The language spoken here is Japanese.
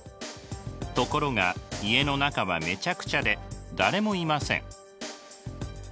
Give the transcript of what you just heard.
ところが家の中はめちゃくちゃで誰もいません。